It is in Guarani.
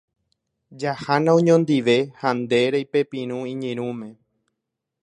Jahána oñondive ha nde reipepirũ iñirũme.